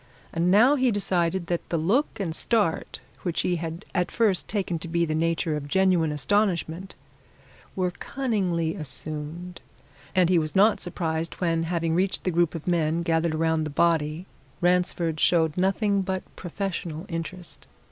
And now he decided that the look and start which he had at first taken to be of the nature of genuine astonishment were cunningly assumed, and he was not surprised when, having reached the group of men gathered around the body, Ransford showed nothing but professional interest.